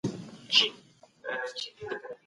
د اسلامي نهضت پیروان هم له لازمې روزنې پاتې سول.